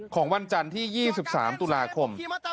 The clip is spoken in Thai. ของวันจันที่๒๓ตุลาคม